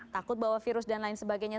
takut bawa virus dan lain sebagainya